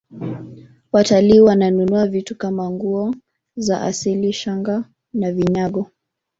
watalii wananunua vitu Kama nguo za asili shanga na vinyago